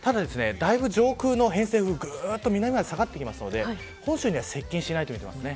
上空の偏西風が南まで下がってくるので本州には接近しないと見ています。